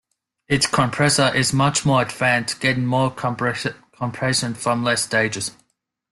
Its compressor is much more advanced getting more compression from less stages.